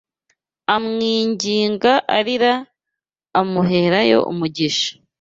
amwinginga arira Amuherayo umugisha.